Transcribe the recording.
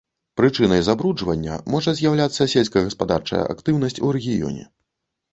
Прычынай забруджвання можа з'яўляцца сельскагаспадарчая актыўнасць у рэгіёне.